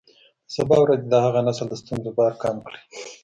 د سبا ورځې د هغه نسل د ستونزو بار کم کړئ.